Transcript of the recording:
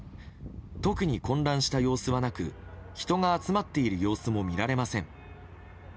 特に混乱した様子はなく人が集まっている様子も見られません。